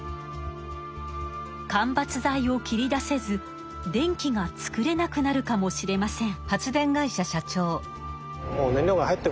間伐材を切り出せず電気が作れなくなるかもしれません。